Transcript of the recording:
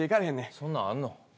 そんなんあんの？